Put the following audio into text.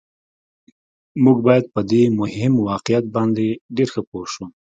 موږ باید په دې مهم واقعیت باندې ډېر ښه پوه شو